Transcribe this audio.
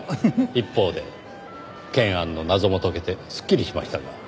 一方で懸案の謎も解けてすっきりしましたが。